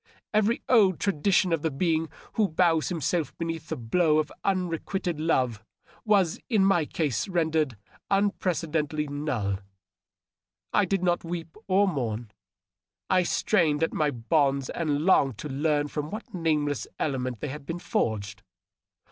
Every old tradition of the being who bows himself beneath the blow of unrequited love was in my case rendered unprecedentedly null. I did not weep or mourn ; I strained at my bonds and longed to learn from what nameless element they had been forged.